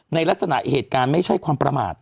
ในลักษณะเหตุการณ์ไม่ใช่ความประมาท